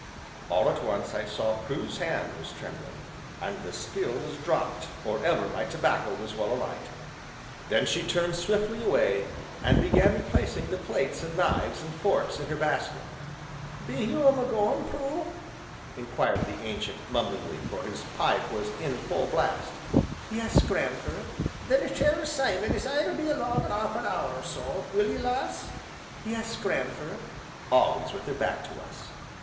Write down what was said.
All at once I saw Prue's hand was trembling, and the spill was dropped or ever my tobacco was well alight; then she turned swiftly away, and began replacing the plates and knives and forks in her basket. "Be you'm a goin', Prue?" inquired the Ancient mumblingly, for his pipe was in full blast. "Yes, gran'fer." "Then tell Simon as I'll be along in 'arf an hour or so, will 'ee, lass?" "Yes, gran'fer!" Always with her back to us.